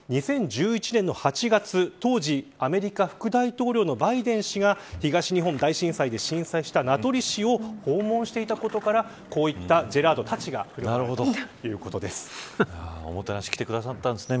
２０１１年の８月当時、アメリカ副大統領のバイデン氏が東日本大震災で被災した名取市を訪問していたことからこういったジェラートたちがおもてなししてくださったんですね。